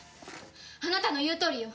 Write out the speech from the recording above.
あなたの言うとおりよ。